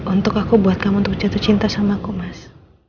untuk aku buat kamu untuk jatuh cinta sama aku mas